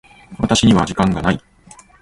私には時間がない。